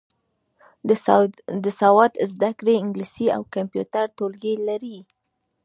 د سواد زده کړې انګلیسي او کمپیوټر ټولګي لري.